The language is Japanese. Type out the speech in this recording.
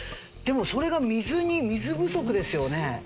でもそれが水に水不足ですよね？